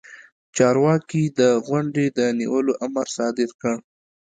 چارواکي د غونډې د نیولو امر صادر کړ.